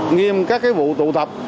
nghiêm các cái vụ tụ tập